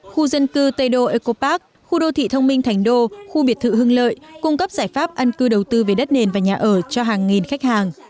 khu dân cư tây đô ecopark khu đô thị thông minh thành đô khu biệt thự hưng lợi cung cấp giải pháp ăn cư đầu tư về đất nền và nhà ở cho hàng nghìn khách hàng